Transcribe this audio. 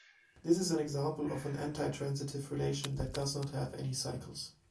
This is an example of an antitransitive relation that does not have any cycles.